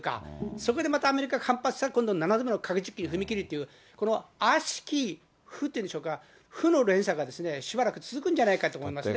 そこでまたアメリカ、反発して、今度、７度目の核実験に踏み切るという、このあしき、負というんでしょうか、負の連鎖がしばらく続くんじゃないかと思いますね。